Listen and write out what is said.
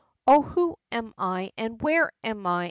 "O who am I? and where am I?